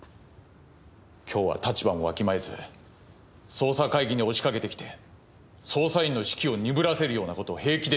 今日は立場もわきまえず捜査会議に押しかけてきて捜査員の士気を鈍らせるようなことを平気で言う。